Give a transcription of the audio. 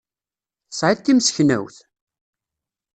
Tesɛiḍ timseknewt?